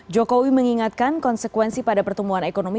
jokowi mengingatkan konsekuensi pada pertumbuhan ekonomi